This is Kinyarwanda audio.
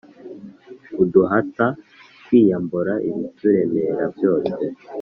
Uduhata kwiyambura Ibituremerera byose.